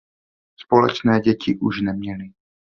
Společné děti už neměli.